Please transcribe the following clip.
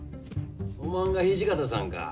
おまんが土方さんか。